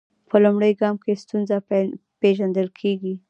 په لومړي ګام کې ستونزه پیژندل کیږي.